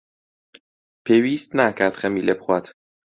پێویست ناکات خەمی لێ بخوات.